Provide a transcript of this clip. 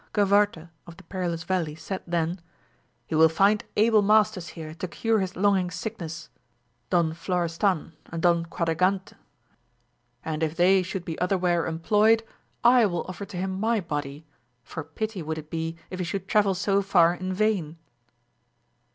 Gavarte of the Perilous Valley said then, he will find able 166 AMADIS OF GAUL. masters here to cure his longing sickness, Don Flo restan and Don Quadragante ; and if they should be otherwhere employed, I will offer to him my body, for pity would it be if he should travel so far in vain.